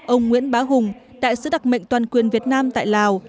ông nguyễn bá hùng đại sứ đặc mệnh toàn quyền việt nam tại lào